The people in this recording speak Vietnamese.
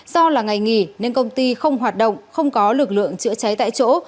do là ngày nghỉ nên công ty không hoạt động không có lực lượng chữa cháy tại chỗ